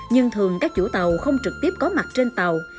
nhưng thường các chủ tàu không trực tiếp có mặt trên tàu